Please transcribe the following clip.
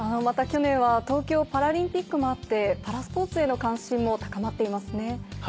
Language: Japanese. また去年は東京パラリンピックもあってパラスポーツへの関心も高まっていますね。